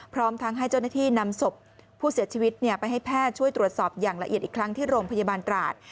พร้อมทั้งให้เจ้าหน้าที่นำศพผู้เสียชีวิตไปให้แพทย์ช่วยตรวจสอบอย่างละเอียดอีกครั้งที่โรงพยาบาลตราด